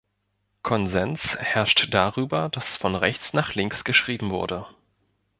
Konsens herrscht darüber, dass von rechts nach links geschrieben wurde.